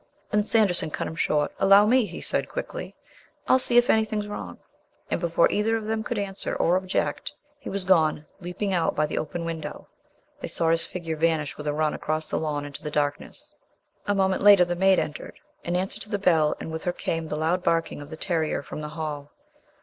Then Sanderson cut him short. "Allow me," he said quickly. "I'll see if anything's wrong." And before either of them could answer or object, he was gone, leaping out by the open window. They saw his figure vanish with a run across the lawn into the darkness. A moment later the maid entered, in answer to the bell, and with her came the loud barking of the terrier from the hall.